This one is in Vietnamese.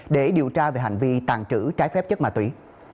để điều tra về hành vi tàn trữ trái phép chất ma túy